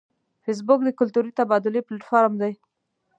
فېسبوک د کلتوري تبادلې پلیټ فارم دی